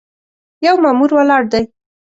یو مامور ولاړ دی.